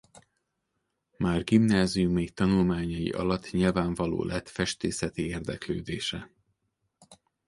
Már gimnáziumi tanulmányai alatt nyilvánvaló lett festészeti érdeklődése.